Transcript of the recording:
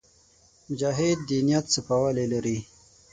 مجاهد د نیت صفاوالی لري.